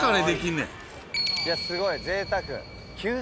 いや、すごい、ぜいたく。